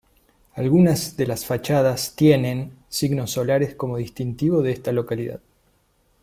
Algunas de las fachadas tiene signos solares como distintivo de esta localidad.